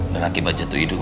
dan akibat jatuh hidup